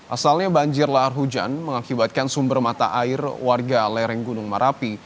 asalnya banjir lahar hujan mengakibatkan sumber mata air warga lereng gunung marapi